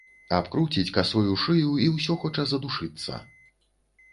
Абкруціць касою шыю і ўсё хоча задушыцца.